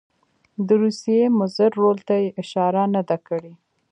د روسیې مضر رول ته یې اشاره نه ده کړې.